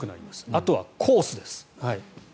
あとはコースです。